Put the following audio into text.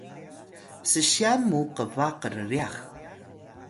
ssyan mu qba krryax